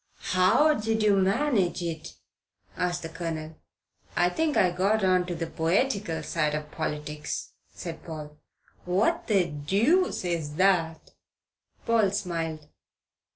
"How did you manage it?" asked the Colonel. "I think I got on to the poetical side of politics," said Paul. "What the deuce is that?" Paul smiled.